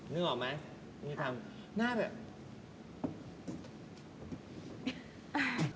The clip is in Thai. นึกออกไหมหน้าแบบ